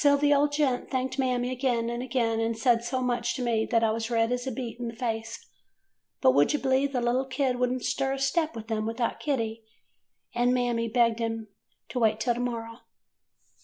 ''So the old gent thanked Mammy again and again, and said so much to me that I was red as a beet in the face. But, would you believe, the little kid would n't stir a step with them without Kitty, and . Mammy begged 'em to wait until to morrow.